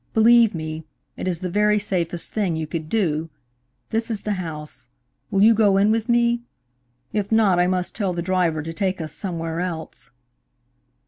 Believe me, it is the very safest thing you could do. This is the house. Will you go in with me? If not, I must tell the driver to take us somewhere else."